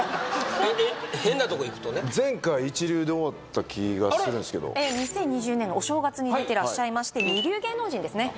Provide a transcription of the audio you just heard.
変なとこ行くとね前回一流で終わった気がしてるんですけどええ２０２０年のお正月に出てらっしゃいまして二流芸能人ですね